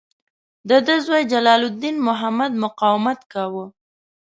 د ده زوی جلال الدین محمد مقاومت کاوه.